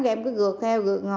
thì em cứ gượt theo gượt theo